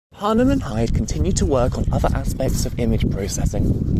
Parnham and Hyde continued to work on other aspects of image processing.